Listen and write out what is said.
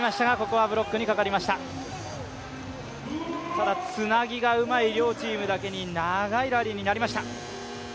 ただつなぎがうまい両チームなだけに長いラリーになりました。